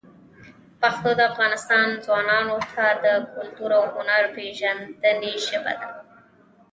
پښتو د افغانستان ځوانانو ته د کلتور او هنر پېژندنې ژبه ده.